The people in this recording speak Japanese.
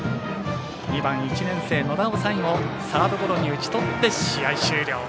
２番、１年生、野田を最後サードゴロに打ちとって試合終了。